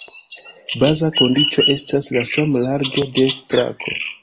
Baza kondiĉo estas la sama larĝo de trako.